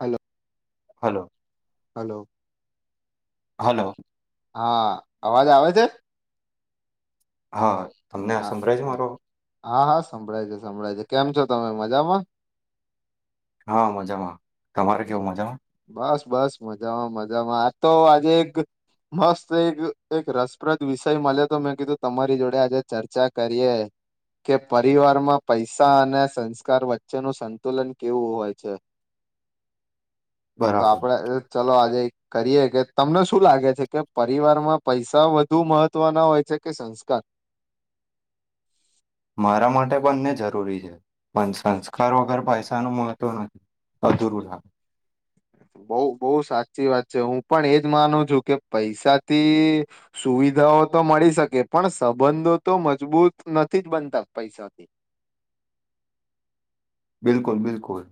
Hello. Hello. Hello. Hello. હા, અવાજ આવે છે? હા. તમને આ હા સંભળાય જ હા મારો હા હા સંભળાય છે. સંભળાય છે. કેમ છો તમે મજામાં? હા મજામાં તમારે કેવ મજામા? બસ બસ મજામાં મજામાં. આ તો આજે એક મસ્ત એક એક રસપ્રદ વિષય મળે, તો મેં કીધું તમારી જોડે આજે ચર્ચા કરીએ. કે પરિવારમાં પૈસા અને સંસ્કાર વચ્ચેનું સંતુલન કેવું હોવા છે. તો બરાબર આપડે અ ચાલો આજે કરીએ કે તમને શું લાગે છે કે, પરિવારમાં પૈસા વધુ મહત્વના હોય છે? કે સંસ્કાર? મારા માટે બંને જરૂરી છે. પણ સંસ્કાર વગર પૈસા ન મહ તો અ અધુર લા બઉ બઉ સાચી વાત છે હું પણ એજ માનું છું કે પૈસાથી સુવિધાઓ તો મળી શકે પણ સંબંધો તો મજબૂત નથી જ બનતા પૈસાથી. બિલકુલ બિલકુલ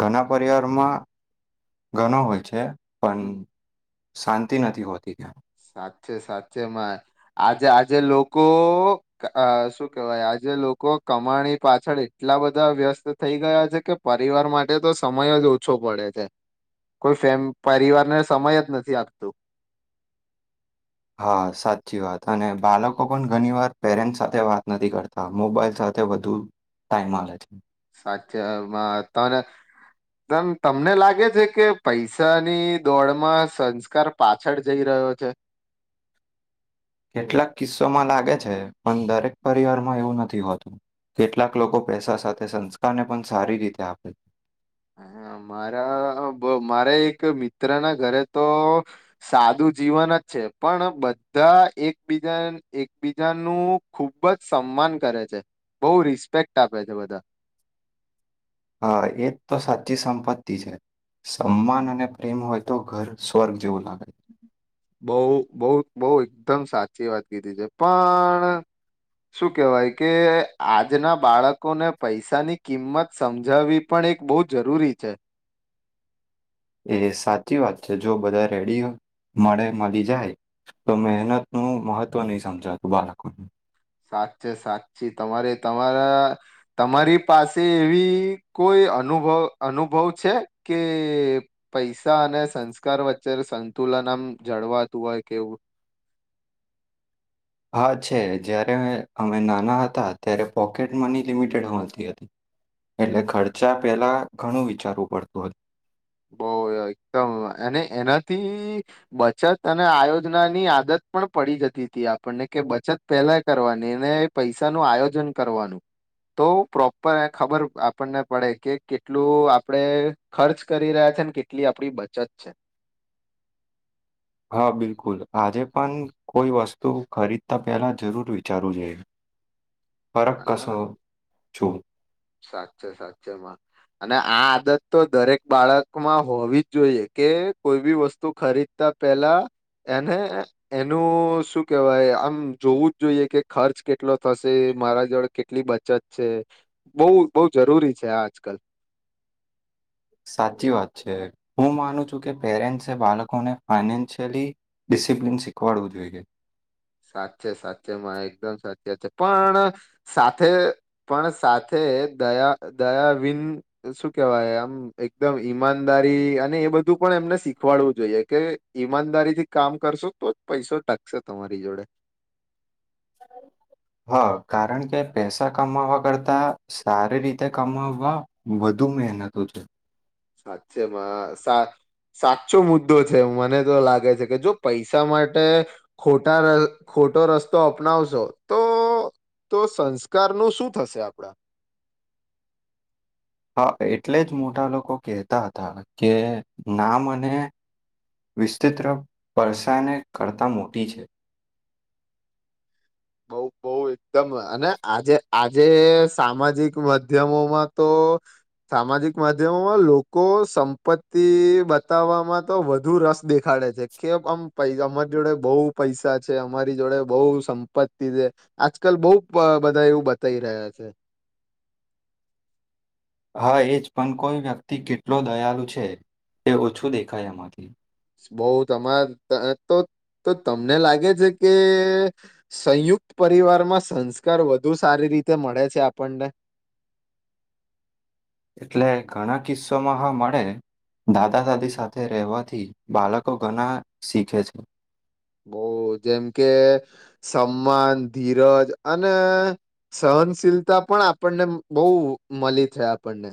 ઘણા પરિવારમાં ગનો હોય છે. પણ હમ શાંતિ નથી હોતી ત્યાં. સાથે સાચેમાં આજે આજે લોકો શું કેવાય આજે લોકો કમાણી પાછળ એટલા બધા વ્યસ્ત થઈ ગયા છે કે પરિવાર માટે તો સમય જ ઓછો પડે છે કોઈ ફેમ પરિવારને સમય જ નથી આપતું. હા સાચી વાત અને બાલકો પણ ઘણી વાર પેરેન્ટ સાથે વાત નથી કરતા મોબાઈલ સાથે વધુ ટાઈમ આલે છે. સાચામા તને તમને લાગે છે કે પૈસાની દોડમાં સંસ્કાર પાછળ જઈ રહ્યો છે. કેટલાક કિસ્સોમાં લાગે છે, પણ દરેક પરિવારમાં એવું નથી હોતું કેટલાક લોકો પૈસા સાથે સંસ્કારને પણ સારી રીતે આપે. હ અમારા બો મારે એક મિત્રના ઘરે તો સાદું જીવન જ છે. પણ બધા એકબીજા એકબીજાનું ખુબ જ સન્માન કરે છે. બઉ રિસ્પેક્ટ આપે છે બધાં. હા એજ તો સાચી સંપત્તિ છે. સમાન અને પ્રેમ હોય તો ઘર સ્વર્ગ જેવું લા બઉ બઉ બઉ એકદમ સાચી વાત કીધી છે. પણ શું કેહેવાય કે આજના બાળકોને પૈસાની કિંમત સમજાવવી પણ એક બઉ જરૂરી છે. એ સાચી વાત છે. જો બધા રેડી મળે મળી જાય તો મહેનત નું મહત્વ નહી સમજાતું બાળકોને. સાચે છે સાચી તમારે તમારા તમારી પાસે એવી કોઈ અનુભવ અનુભવ છે, કે પૈસા અને સંસ્કાર વચ્ચે સંતુલન આમ જળવાતું હોય કેવું? હા છે જ્યારે અમે નાના હતા ત્યારે પોકેટ મની લિમિટેડ મળતી હતી. એટલે ખર્ચા પહેલા ઘણું વિચારવું પડતું હ બો એકદમ અને એનાથી બચત અને આયોજના ની આદત પણ પડી જતી તી. આપણને કે બચત પહેલા કરવાની એને પૈસા નું આયોજન કરવાનું, તો પ્રોપર ખબર આપણને પડે કે કેટલું આપડે ખર્ચ કરી રહ્યા છે ને કેટલી આપડી બચત છે. હા બિલકુલ આજે પણ કોઈ વસ્તુ ખરીદતા પહેલા જરૂર વિચારવું જોઈએ. ફરક કસો. છું. સાચે સાચેમાં અને આ આદત તો દરેક બાળકમાં હોવી જોઈએ કે, કોઈ બી વસ્તુ ખરીદતા પેલા એને એનું શું કેવાય આમ જોવું જ જોઈએ કે ખર્ચ કેટલો થશે મારા જોડે કેટલી બચત છે. બઉ બઉ જરૂરી છે આજ કલ. સાચી વાત છે. હું માનું છું કે પેરેન્ટસે બાળકોને ફાઈનેન્શિયલી ડિસિપ્લિન શીખવાડવું જોઈએ. સાચે સાચેમાં એકદમ સાચી વાત છે. પણ સાથે પણ સાથે દયા દયા વિન શું કેવાય આમ એકદમ ઈમાનદારી અને એ બધું પણ એમને શીખવાડવું જોઈએ કે ઈમાનદારી થી કામ કરશો તો જ પૈસો ટકશે તમા રી જોડે. હ કારણ કે પૈસા કમાવવા કરતા સારી રીતે કમાવવા વધુ મહેનતુ છે. સાચેમાં સા સાચો મુદ્દો છે, મને તો લાગે છે કે જો પૈસા માટે ખોટા ખોટો રસ્તો અપનાવશો તો તો સંસ્કારનું શું થશે આપડા. હા એટલે જ મોટા લોકો કહેતા હતા કે નામ અને વિસ્તિત્ર પરસાને કરતા મોટી છે. બઉ બઉ એકદમ અને આજે આજે સામાજિક માધ્યમોમાં તો સામાજિક માધ્યમોમાં લોકો સંપત્તિ બતાવવામાં તો વધુ રસ દેખાડે છે. કે આમ પૈસા અમારી જોડે બઉ પૈસા છે, અમારી જોડે બઉ સમ- પત્તિ છે જે આજકાલ બઉ બધા એવું બતાવી રહ્યા છે. હા એજ પણ કોઈ વ્યક્તિ કેટલો દયાલુ છે તે ઓછું દેખાય એમાંથી. બહઉ તમાર તો તમને લાગે છે કે સંયુક્ત પરિવારમાં સંસ્કાર વધુ સારી રીતે મળે છે આપણને? એટલે ઘણા કિસ્સાોમાં હા મળે દાદા દાદી સાથે રહેવાથી બાળકો ઘણા શીખે છે. બવ જેમ કે સન્માન, ધીરજ અને સહનશીલતા પણ આપણને બઉ મલી છે આપણને.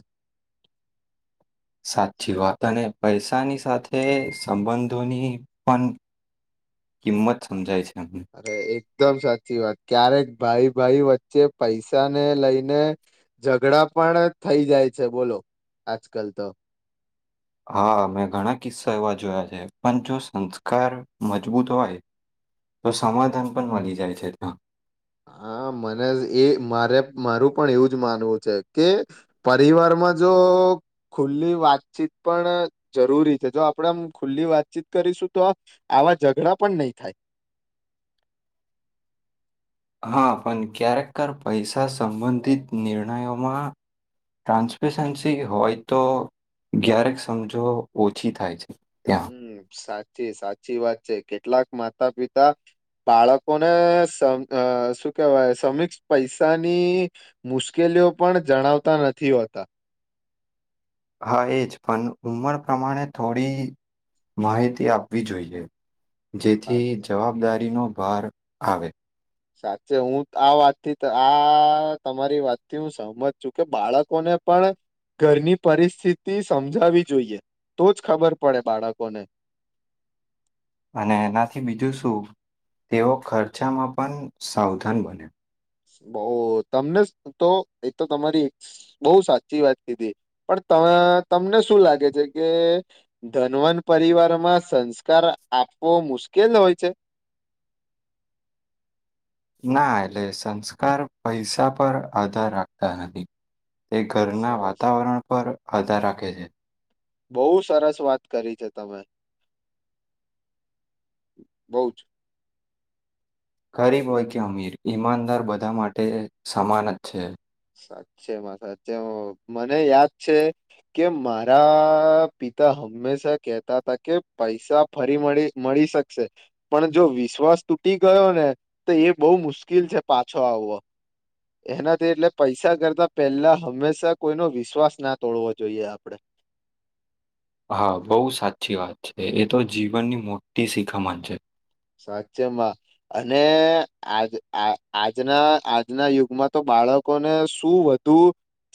સાચી વાત અને પૈસાની સાથે સંબંધોની પણ કિંમત સમજાય છે. એમને અરે એક દમ સાચી વાત ક્યારેક ભાઈ ભાઈ વચ્ચે પૈસાને લઈને ઝઘડા પણ થઈ જાય છે બોલો આજ કલ તો. હા મેં ઘણા કિસ્સા એવા જોયા છે. પણ જો સંસ્કાર મજબૂત હોય તો સમાધાન પણ મળી જાય છે. હા મને એ મારે મારું પણ એવું જ માનવું છે કે પરિવારમાં જો ખુલ્લી વાતચીત પણ જરૂરી છે. જો આપડે આમ ખુલ્લી વાતચીત કરીશું તો આવા ઝઘડા પણ નઈ થાય. હા પણ ક્યારેકકર પૈસા સંબંધિત નિર્ણયોમાં ટ્રાન્સપેસન્સી હોય તો જયારેક સમજો ઓછી થાય છે. ત્યાં હમ સા સાચી વાત છે. કેટલાક માતા પિતા બાળકોનેસ શુ શું કેવાય સમીક્ષ પૈસાની મુશ્કેલીઓ પણ જણાવતા નથી હોતા. હા એ જ પણ ઉંમર પ્રમાણે થોડી માહિતી આપવી જોઈએ. જેથી સાચે જવાબદારીનો ભાર આવે. સાચે હું આ વાતથી આ તમારી વાતથી હું સહમત છું કે, બાળકોને પણ ઘરની પરિસ્થિતિ સમજાવી જોઈએ તો જ ખબર પડે બાળકોને. અને એનાથી બીજું શું તેઓ ખર્ચામાં પણ સાવધાન બને બઉ તમને તો એતો તમારી બહુ સાચી વાત કીધી પણ તમને શું લાગે છે કે ધનવન પરિવારમાં સંસ્કાર આપવો મુશ્કેલ હોય છે ના એટલે સંસ્કાર પૈસા પર આધાર રાખતા નથી એ ઘરના સરસ વાતાવરણ પર આધાર રાખે છે બહુ સરસ વાત કરી છે તમે બઉ જ ગરીબ હોય કે અમીર ઈમાનદાર બધા માટે સમાન જ છે સાચે મા સાચે મા મને યાદ છે કે મારા પિતા હમેશા કેહતા હતા કે પૈસા ફરી મળી મળી શકશે પણ જો વિશ્વાસ તૂટી ગયો ને તો એ બહુ મુશ્કેલ છે પાછો આવવો એનાથી એટલે પૈસા કરતા પહેલા હંમેશા કોઈનો વિશ્વાસ ના તોડવો જોઈએ આપડે હા બહુ સાચી વાત છે એ તો જીવનની મોટી શિખમણ છે સાચેમાં અને આજ આજના આજના યુગમાં તો બાળકોને શું વધુ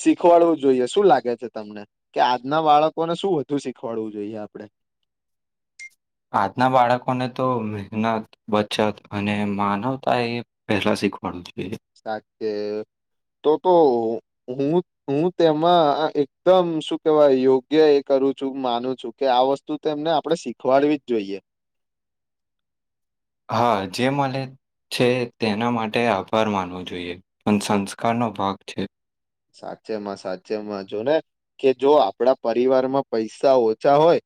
શીખવાડવું જોઈએ શું લાગે છે તમને કે આજના બાળકોને શું વધુ શીખવાડવું જોઈએ આપડે આજના બાળકોને તો મહેનત બચત અને માનવતા એ પહેલા શીખવાડું જોઈએ સાચ તો તો હું હું તેમાં એકદમ શું કેહેવાય યોગ્ય એ કરું છું માનું છું કે આ વસ્તુમને આપણે શીખવાડવી જ જોઈએ હા જે મળે છે તેના માટે આભાર માનવો જોઈએ પણ સંસ્કારનો ભાગ છે સાચેમાં સાચેમાં જો ને કે જો આપણા પરિવારમાં પૈસા ઓછા હોય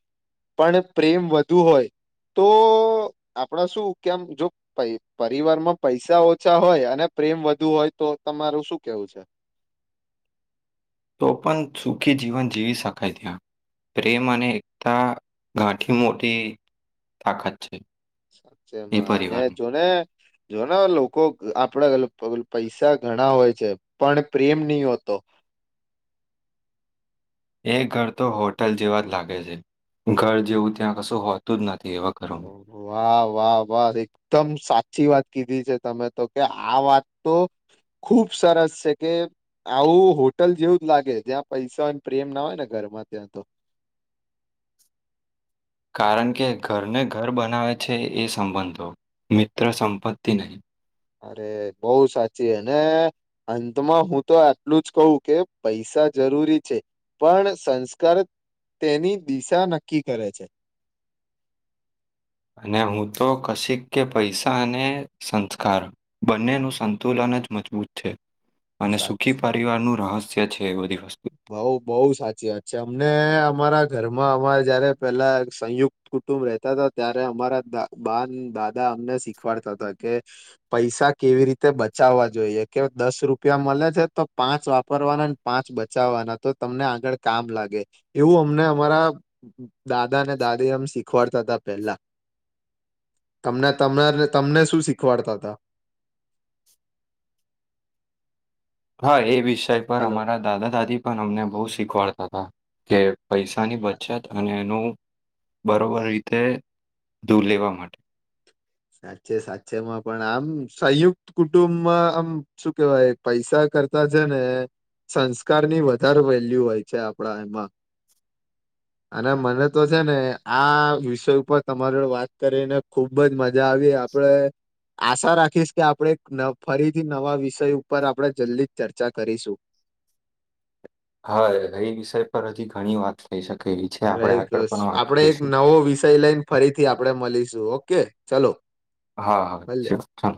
પણ પ્રેમ વધુ હોય તો આપણા શું કેમ જો પ પરિવારમાં પૈસા ઓછા હોય અને પ્રેમ વધુ હોય તો તમારું શું કેવું છે તો પણ સુખી જીવન જીવી શકાય ત્યાં પ્રેમ અને એકતા ગાંઠી મોટી તાકાત છે એ સાચેમાં અને પરિવારમાં. જોને જો લોકો આપડા પૈસા ઘણા હોય છે પણ પ્રેમ નહી હોતો એ ઘર તો હોટલ જેવા જ લાગે છે ઘર જેવું ત્યાં કશું હોતું જ નથી એવા ઘરોમાં. ઓહ વાવ વાહ વાહ એકદમ સાચી વાત કીધી છે તમે તો કે આ વાત તો ખુબ સરસ છે કે આવું હોટલ જેવું જ લાગે જ્યાં પૈસા હોય પ્રેમ ના હોય ને ઘરમાં ત્યાં તો કારણ કે ઘરને ઘર બનાવે છે એ સંબંધો મિત્ર સંપત્તિ નહી અરે બહુ સાચી અને અંતમાં હું તો આટલું જ કહું કે પૈસા જરૂરી છે પણ સંસ્કાર તેની દિશા નક્કી કરે છે અને હું તો કશિક કે પૈસા અને સંસ્કાર બંનેનું સંતુલન જ મજબૂત છે અને સાચ સુખી પરિવારનું રહસ્ય છેજ એ બધી વસ્તુ બઉુ સાચી વાત છે અમને અમારા ઘરમાં અમારે જયારે પેલા સંયુક્ત કુટુંબ રહેતા હતા ત્યારે અમારા બાન દાદા અમને શીખવાડતા હતા કે પૈસા કેવી રીતે બચાવવા જોઈએ કે દસ રૂપિયા મળે છે તો પાંચ વાપરવાના ને પાંચ બ બચવાના તો તમને આગળ કામ લાગે એવું અમને અમારા દાદા અનેને દાદી અમ શીખવાડતા હતા પેલા તમને ત તમને શું શીખવાડતા હા એ બી વિષય પર હલો હમારા દાદા દાદી પણ અમને બહુ શીખવાડતા હતા કે પૈસાની બચત અને એનું બરોબર રીતે દૂર લેવા માટે સાચે સાચેમાં પણ આમ સંયુક્ત કુટુંબમાં આમ શું કેવાય પૈસા કરતા છે ને સંસ્કાર ની વધારે વેલ્યુ હોય છે આપડા એમાં અને મને તો છે ને આ વિષય ઉપર તમારે વાત કરીને ખુબ જ મજા મજા આવી આપણે આશા રાખીશ કે આપણે ફરીથી નવા વિષય ઉપર આપણે જલ્દી ચર્ચા કરીશું હા એ વિષય પર હજી ઘણી વાત થઈ શકે એવી છે આપણે આગળ રાઈ પણ વાત આપડે એક કરીશું નવો વિષય લઈને ફરીથી આપડે મળીશું ઓકે ચાલો હા હા શીસા